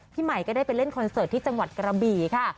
ใหม่ก็ได้ไปเล่นคอนเสิร์ตที่จังหวัดกระบี่ค่ะ